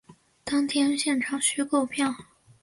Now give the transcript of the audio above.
当天现场须购票